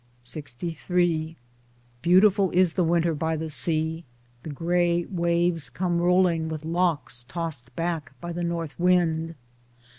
LXIII Beautiful is the winter by the sea; the gray waves come rolling with locks tossed back by the North wind.